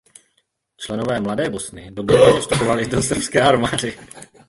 Členové Mladé Bosny dobrovolně vstupovali do srbské armády.